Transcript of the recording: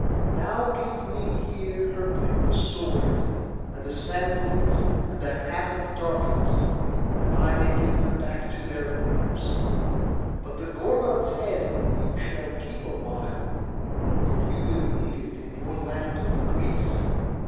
Now give me here Herpé the sword, and the sandals, and the hat of darkness, that I may give them back to their owners; but the Gorgon's head you shall keep a while, for you will need it in your land of Greece.